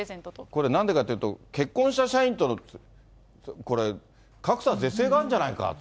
これ、なんでかというと、結婚した社員との格差是正があるんじゃないかって。